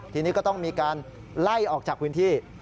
ทีนี้ก็ต้องมีการไล่ออกจากพื้นที่